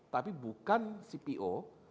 tapi bukan cpo